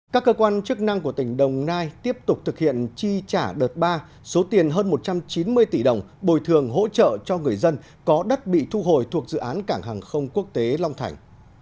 các cơ quan chức năng của tỉnh đồng nai tiếp tục thực hiện chi trả đợt ba số tiền hơn một trăm chín mươi tỷ đồng bồi thường hỗ trợ cho người dân có đất bị thu hồi thuộc dự án cảng hàng không quốc tế long thành